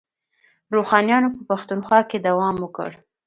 روښانیانو په پښتونخوا کې دوام وکړ.